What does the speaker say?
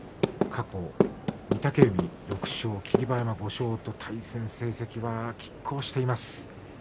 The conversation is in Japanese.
過去、御嶽海６勝霧馬山５勝と対戦成績はきっ抗しています。